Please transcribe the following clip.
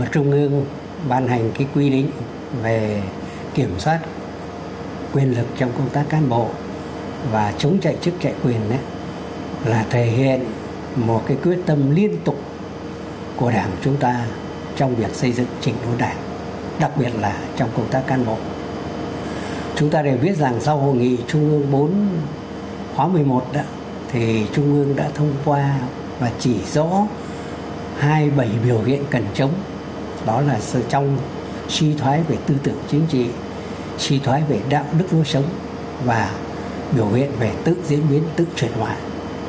trong việc xây dựng trình đối đảng đặc biệt là trong công tác cán bộ chúng ta đều biết rằng sau hội nghị trung ương bốn khóa một mươi một thì trung ương đã thông qua và chỉ rõ hai bảy biểu hiện cần chống đó là sự trong suy thoái về tư tưởng chính trị suy thoái về đạo đức đối sống và biểu hiện về tự diễn biến tự truyền hoạt